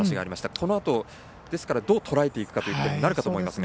このあと、どうとらえていくかとなると思いますが。